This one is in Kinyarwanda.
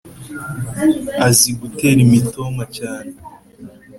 azi gutera imitoma cyane